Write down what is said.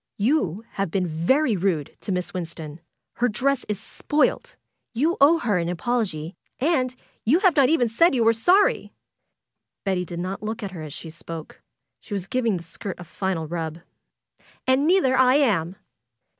"You have been very rude to Miss Winston. Her dress is spoiled. You owe her an apology, and you have not even said you were sorry!" Betty did not look at her as she spoke. She was giving the skirt a final rub. "And neither I am